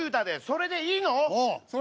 それでいいの？